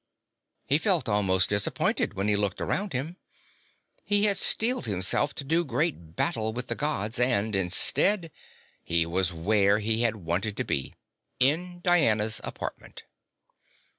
He felt almost disappointed when he looked around him. He had steeled himself to do great battle with the Gods and, instead, he was where he had wanted to be, in Diana's apartment.